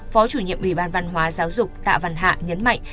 phó chủ nhiệm ủy ban văn hóa giáo dục tạ văn hạ nhấn mạnh